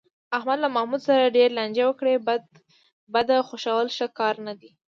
احمد له محمود سره ډېرې لانجې وکړې، بده خوښول ښه کار نه دی.